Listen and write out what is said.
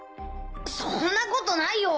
そんなことないよ。